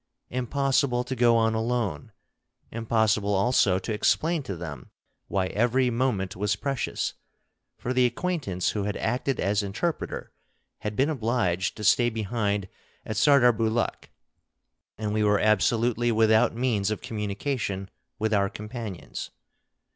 Impossible to go on alone; impossible also to explain to them why every moment was precious, for the acquaintance who had acted as interpreter had been obliged to stay behind at Sardarbulakh, and we were absolutely without means of communication with our companions.